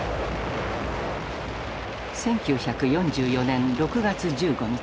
１９４４年６月１５日。